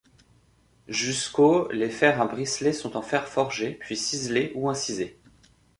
Jusqu'au les fers à bricelets sont en fer forgés puis ciselés ou incisés.